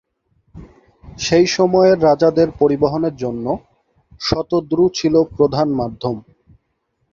সেই সময়ে রাজাদের পরিবহনের জন্য, শতদ্রু ছিল প্রধান মাধ্যম।